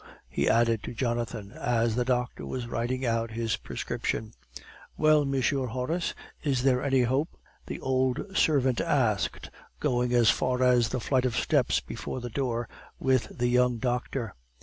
he added to Jonathan, as the doctor was writing out his prescription. "Well, M. Horace, is there any hope?" the old servant asked, going as far as the flight of steps before the door, with the young doctor.